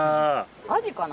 アジかな？